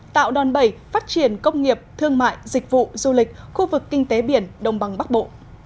tạo đòn bẩy phát triển công nghiệp thương mại dịch vụ du lịch khu vực kinh tế biển đông bằng bắc bộ